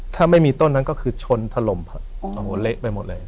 ถ้าไม่มีต้นนั้นก็คือชนถล่มเหละไปหมดเลย